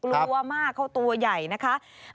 กลัวมากเขาตัวใหญ่นะคะ